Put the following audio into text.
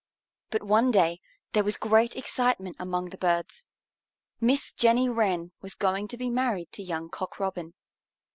But one day there was great excitement among the birds. Miss Jenny Wren was going to be married to young Cock Robin.